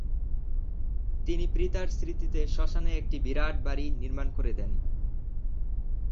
তিনি পিতার স্মৃতিতে শ্মশানে একটি বিরাট বাড়ি নির্মাণ করে দেন।